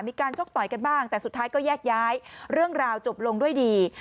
ชกต่อยกันบ้างแต่สุดท้ายก็แยกย้ายเรื่องราวจบลงด้วยดี